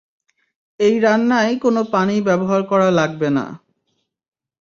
এই রান্নায় কোনো পানি ব্যবহার করা লাগবে না।